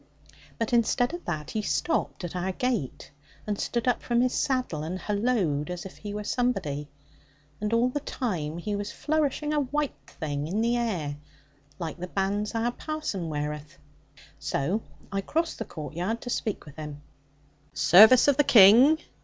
But instead of that, he stopped at our gate, and stood up from his saddle, and halloed as if he were somebody; and all the time he was flourishing a white thing in the air, like the bands our parson weareth. So I crossed the court yard to speak with him. 'Service of the King!'